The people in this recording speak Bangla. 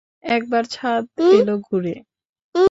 একবার ছাদ এল ঘুরে।